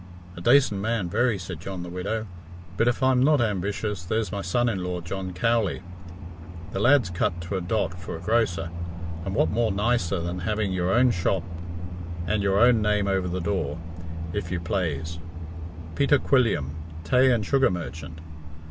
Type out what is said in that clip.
"A dacent man, very," said John the Widow; "but if I'm not ambitious, there's my son in law, John Cowley. The lad's cut to a dot for a grocer, and what more nicer than having your own shop and your own name over the door, if you plaze ' Peter Quilliam, tay and sugar merchant!'